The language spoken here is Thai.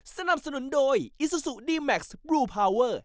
สนับสนุนโดยอิซูซูดีแม็กซ์บลูพาวเวอร์